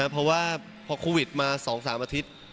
เพราะว่าพอคุวิตมาสองสามอาทิตย์